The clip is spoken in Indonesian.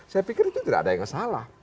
saya pikir itu tidak ada yang salah